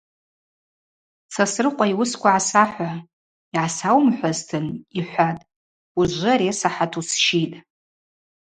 Сосрыкъва йуысква гӏасахӏва, йгӏасауымхӏвуазтын,—йхӏватӏ, ужвы ари асахӏат усщитӏ.